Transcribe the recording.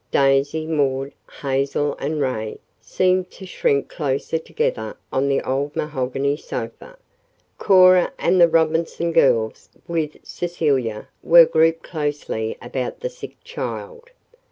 Daisy, Maud, Hazel and Ray seemed to shrink closer together on the old mahogany sofa. Cora and the Robinson girls with Cecilia were grouped closely about the sick child.